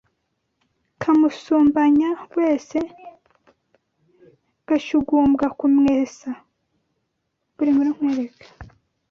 Kamusumbanya wese Gashyugumbwa kumwesa